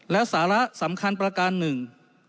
และสาระสำคัญประการหนึ่ง